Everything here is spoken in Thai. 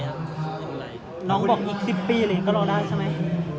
อเรนนี่น้องบอกอีก๑๐ปีเลยก็ลองได้ใช่ไหม